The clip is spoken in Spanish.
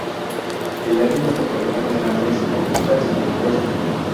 El área metropolitana de Nápoles ocupa el segundo puesto.